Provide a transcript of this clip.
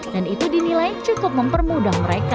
dan itu dinilai cukup mempermudah mereka